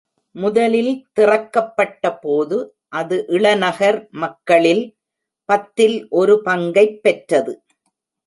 முதலில் திறக்கப்பட்ட போது, அது இளநகர் மக்களில் பத்தில் ஒரு பங்கைப் பெற்றது.